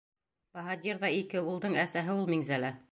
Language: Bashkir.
Баһадирҙай ике улдың әсәһе ул Миңзәлә.